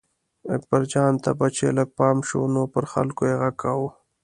اکبرجان ته به چې لږ پام شو نو پر خلکو یې غږ کاوه.